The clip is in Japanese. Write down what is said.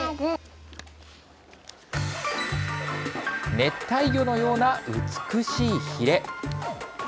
熱帯魚のような美しいヒレ。